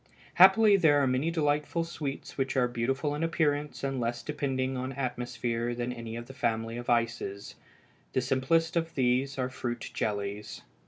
Happily there are many delightful sweets which are beautiful in appearance and less depending on atmosphere than any of the family of ices. The simplest of these are fruit jellies.